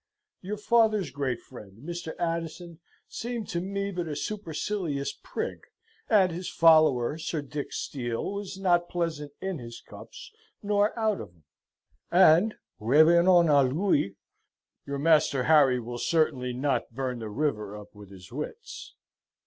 Your father's great friend, Mr. Addison, seemed to me but a supercillious prig, and his follower, Sir Dick Steele, was not pleasant in his cupps, nor out of 'em. And (revenons a luy) your Master Harry will certainly, pot burn the river up with his wits.